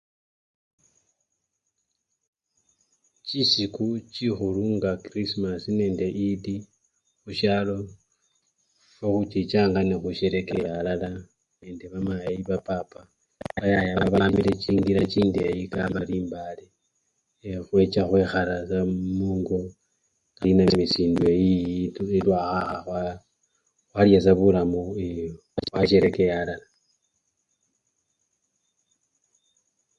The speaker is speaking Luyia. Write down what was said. Chisiku chikhulu nga krisimasi nende iddi, khusyalo efwe khuchichanga nekhusyerekeya alala nende bamayi bapapa bayaya babamile chingila chindeyi kabali embale, becha khwekhala sa mungo enamisindwa eyiyi elwakhakha khwalya sa bulamu, khwasyerekeya alala.